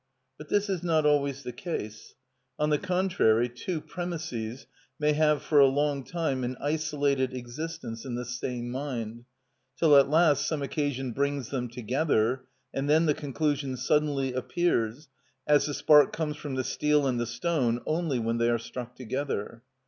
But this is not always the case; on the contrary, two premisses may have for a long time an isolated existence in the same mind, till at last some occasion brings them together, and then the conclusion suddenly appears, as the spark comes from the steel and the stone only when they are struck together.